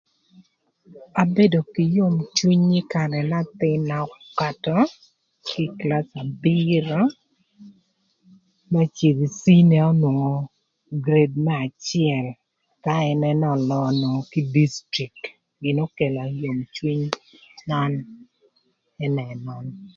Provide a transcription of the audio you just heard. Abedo kï yom cwiny ï karë na athïn-na ökatö kï kilac abïrö më cïdhö ï cinia n'onwongo obed gured më acël ëka ën ënë ölöö kï dictrict, gin ökëlö yom cwiny nön ënë nön.